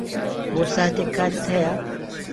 بۆ ساتێک کاتت ھەیە؟